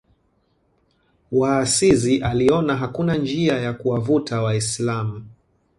wa Asizi aliona hakuna njia ya kuwavuta Waislamu